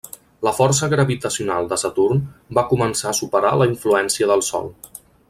La força gravitacional de Saturn va començar a superar la influència del Sol.